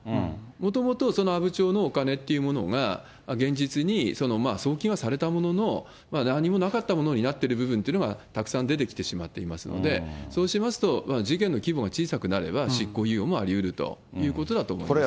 もともと阿武町のお金っていうものが、現実に送金はされたものの、何もなかったものになった部分というのがたくさん出てきてしまっていますので、そうしますと、事件の規模が小さくなれば執行猶予もありうるということだと思います。